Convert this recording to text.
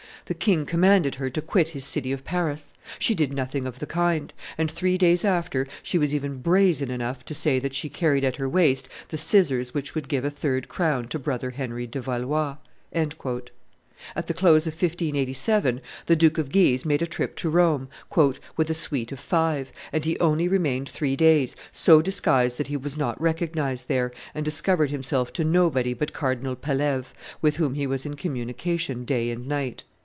"The king commanded her to quit his city of Paris; she did nothing of the kind; and three days after she was even brazen enough to say that she carried at her waist the scissors which would give a third crown to brother Henry de Valois." At the close of 1587, the Duke of Guise made a trip to Rome, "with a suite of five; and he only remained three days, so disguised that he was not recognized there, and discovered himself to nobody but Cardinal Pelleve, with whom he was in communication day and night."